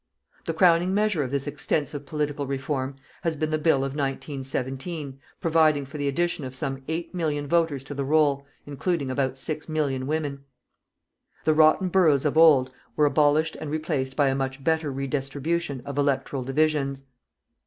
The crowning measure of this extensive political reform has been the Bill of 1917 providing for the addition of some 8,000,000 voters to the roll, including about 6,000,000 women. The rotten boroughs of old were abolished and replaced by a much better redistribution of electoral divisions.